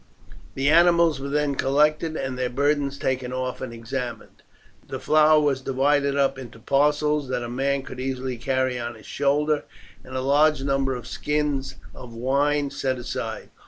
The animals were then collected, and their burdens taken off and examined. The flour was divided up into parcels that a man could easily carry on his shoulder, and a large number of skins of wine set aside.